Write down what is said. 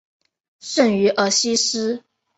圣于尔西斯。